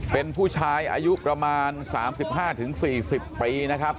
เป็นผู้ชายอายุประมาณ๓๕๔๐ปีนะครับ